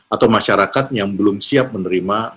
atau masyarakat yang belum siap menerima